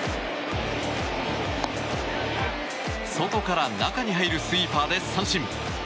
外から中に入るスイーパーで三振。